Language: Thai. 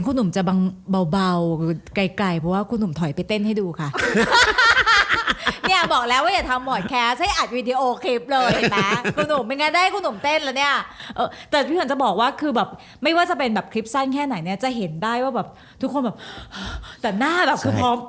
ก็ไม่ว่าจะเป็นแบบคลิปสั้นแค่ไหนเนี่ยจะเห็นได้ว่าแบบทุกคนแบบแต่หน้าเปรียบพร้อม